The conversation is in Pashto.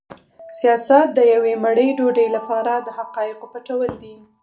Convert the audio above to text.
سیاست د یوې مړۍ ډوډۍ لپاره د حقایقو پټول دي.